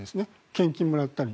献金をもらったり。